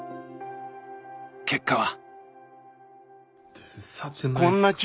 結果は。